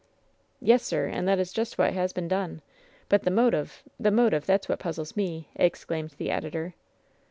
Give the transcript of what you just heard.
"Yes, sir ; and that is just what has been done. But the motive, the motive, that's what puzzles me," ex claimed the editor.